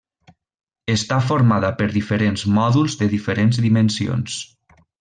Està formada per diferents mòduls de diferents dimensions.